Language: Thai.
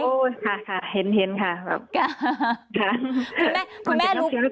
โอ้ค่ะเห็นค่ะ